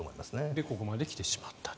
で、ここまで来てしまったと。